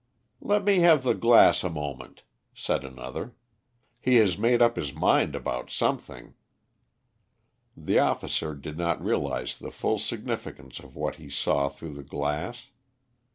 "Let me have the glass a moment," said another. "He has made up his mind about something." The officer did not realise the full significance of what he saw through the glass.